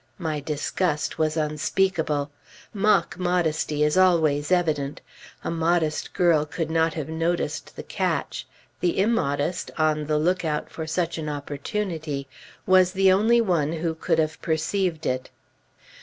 My disgust was unspeakable. Mock modesty is always evident. A modest girl could not have noticed the "catch"; the immodest, on the lookout for such an opportunity, was the only one who could have perceived it.